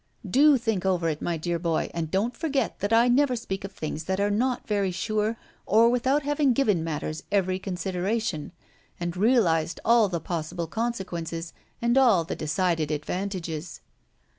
"Do think over it, my dear boy, and don't forget that I never speak of things that are not very sure, or without having given matters every consideration, and realized all the possible consequences and all the decided advantages."